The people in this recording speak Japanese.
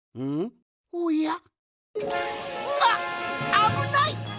あぶない！